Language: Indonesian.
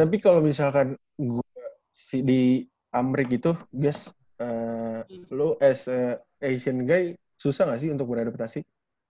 tapi kalau misalkan gue di amrik gitu lo as asian guy susah gak sih untuk berantakan